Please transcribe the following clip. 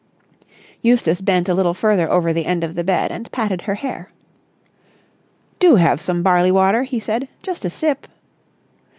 Eustace bent a little further over the end of the bed and patted her hair. "Do have some barley water," he said. "Just a sip!"